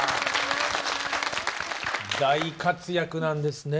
大活躍なんですね。